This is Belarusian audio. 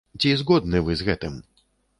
Ці згодны вы з гэтым?